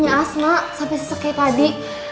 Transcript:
jangan nawet goket dua hari